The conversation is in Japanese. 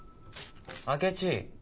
明智。